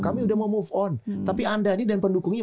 kami udah mau move on tapi anda ini dan pendukungnya